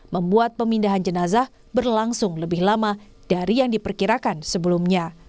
membuat pemindahan jenazah berlangsung lebih lama dari yang diperkirakan sebelumnya